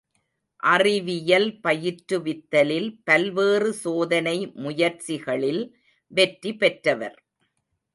அறிவியல் பயிற்று வித்தலில் பல்வேறு சோதனை முயற்சிகளில் வெற்றி பெற்றவர்.